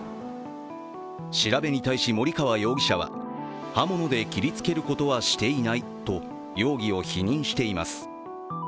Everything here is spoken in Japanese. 調べに対し森川容疑者は刃物で切りつけることはしていないと容疑を否認しています。